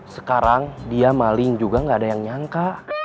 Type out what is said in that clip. sekarang dia maling juga gak ada yang nyangka